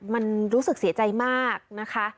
มันรู้สึกเสียใจมากนะคะ